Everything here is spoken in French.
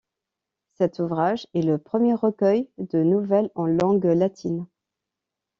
Cet ouvrage est le premier recueil de nouvelles en langue latine.